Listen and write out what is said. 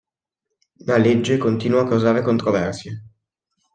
La legge continua a causare controversie.